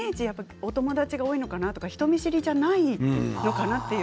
お友達が多いのかなとか人見知りじゃないのかなという。